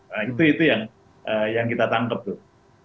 nah itu itu yang yang kita tangkap tuh